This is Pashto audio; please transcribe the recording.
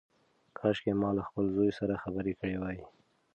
کاشکي ما له خپل زوی سره خبرې کړې وای.